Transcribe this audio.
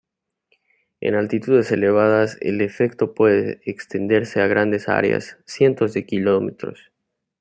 En altitudes elevadas, el efecto puede extenderse a grandes áreas, cientos de kilómetros.